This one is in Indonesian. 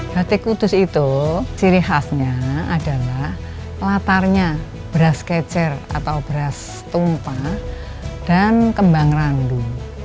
batik kudus itu ciri khasnya adalah latarnya beras kecer atau beras tumpah dan kembang randu